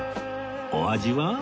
お味は？